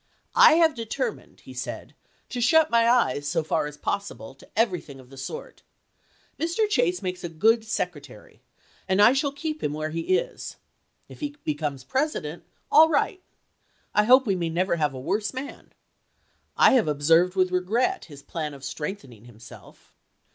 " I have determined," he said, " to shut my eyes, so far as possible, to everything of the sort. Mr. Chase makes a good Secretary, and I shall keep him where he is. If he becomes President, all right. I hope we may never have a worse man. I have observed with regret his plan of strengthen ing himself.